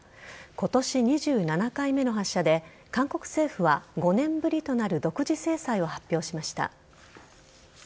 今年２７回目の発射で韓国政府は５年ぶりとなる独自制裁を発表しました。